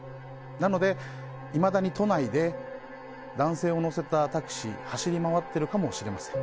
なので、いまだに都内で男性を乗せたタクシーが走り回っているかもしれません。